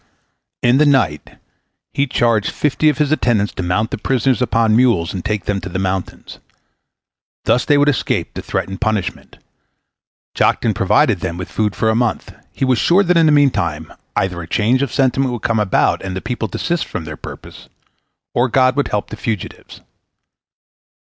In the night he charged fifty of his attendants to mount the prisoners upon mules and take them to the mountains. Thus they would escape the threatened punishment. Joktan provided them with food for a month. He was sure that in the meantime either a change of sentiment would come about, and the people desist from their purpose, or God would help the fugitives.